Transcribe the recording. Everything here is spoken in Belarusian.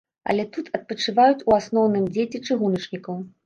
Але тут адпачываюць у асноўным дзеці чыгуначнікаў.